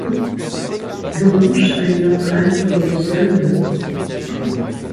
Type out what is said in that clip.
Le manche a une empreinte pour une seule main.